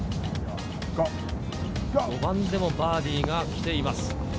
５番でもバーディーが来ています。